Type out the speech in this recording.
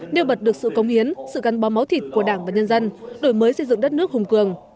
nêu bật được sự công hiến sự gắn bó máu thịt của đảng và nhân dân đổi mới xây dựng đất nước hùng cường